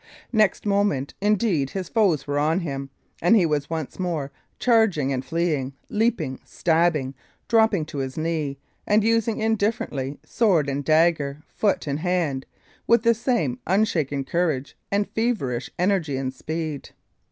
Next moment, indeed, his foes were on him, and he was once more charging and fleeing, leaping, stabbing, dropping to his knee, and using indifferently sword and dagger, foot and hand, with the same unshaken courage and feverish energy and speed.